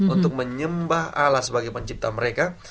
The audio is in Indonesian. untuk menyembah ala sebagai pencipta mereka